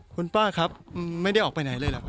คุณป้าครับไม่ได้ออกไปไหนเลยเหรอครับ